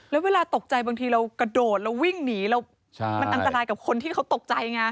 แล้วเวลาตกใจบางทีเรากระโดดเราวิ่งหนีมันอันตรายกับคนที่เขาตกใจไง